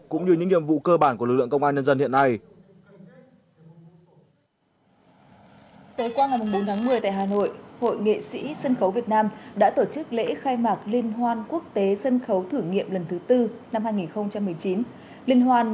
cũng như những nhiệm vụ cơ bản của lực lượng công an nhân dân hiện nay